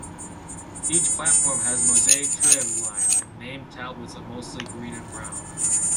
Each platform has mosaic trim line and name tablets of mostly green and brown.